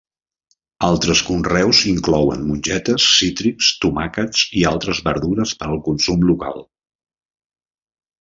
Altres conreus inclouen mongetes, cítrics, tomàquets i altres verdures per al consum local.